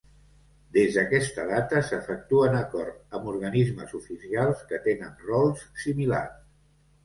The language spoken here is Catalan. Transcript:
Des d'aquesta data s'efectuen acord amb organismes oficials que tenen rols similars.